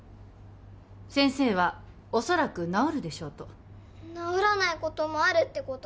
先生は恐らく治るでしょうと治らないこともあるってこと？